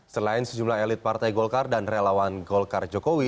selain sejumlah elit partai golkar dan relawan golkar jokowi